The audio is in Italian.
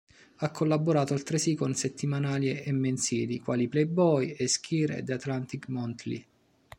Ha collaborato altresì con settimanali e mensili, quali Playboy, Esquire e The Atlantic Monthly.